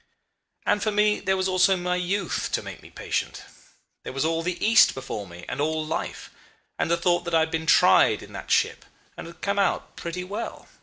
"And for me there was also my youth to make me patient. There was all the East before me, and all life, and the thought that I had been tried in that ship and had come out pretty well.